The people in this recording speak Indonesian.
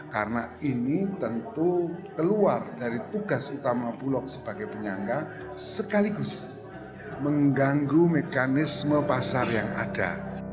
karena ini tentu keluar dari tugas utama bulog sebagai penyangga sekaligus mengganggu mekanisme pasar yang ada